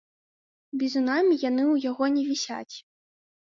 Бізунамі яны ў яго не вісяць.